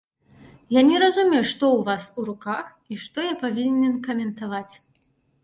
Я не разумею, што ў вас у руках і што я павінен каментаваць.